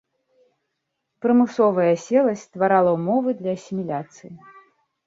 Прымусовая аселасць стварала ўмовы для асіміляцыі.